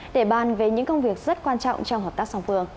để bàn về những công việc rất quan trọng trong hợp tác song phương